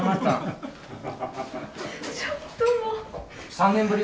３年ぶり？